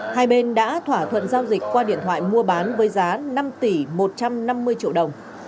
hai bên đã thỏa thuận giao dịch qua điện thoại mua bán với giá năm tỷ một trăm năm mươi triệu đồng